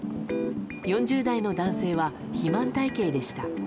４０代の男性は肥満体形でした。